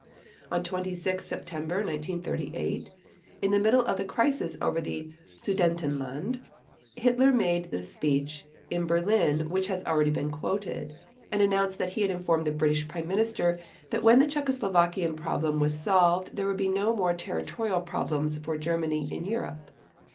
On 26 September 1938, in the middle of the crisis over the Sudetenland, Hitler made the speech in Berlin which has already been quoted, and announced that he had informed the British Prime Minister that when the Czechoslovakian problem was solved there would be no more territorial problems for Germany in Europe.